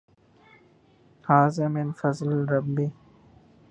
ھذا من فضْل ربی۔